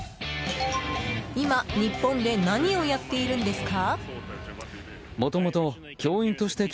今、日本で何をやっているんですか？